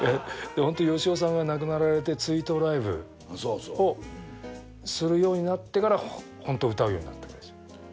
でもホント芳雄さんが亡くなられて追悼ライブをするようになってからホント歌うようになったんです。